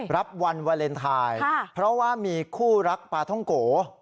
รับวันวาเลนไทยเพราะว่ามีคู่รักปลาท่องโก